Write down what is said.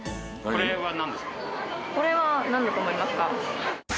これはなんだと思いますか？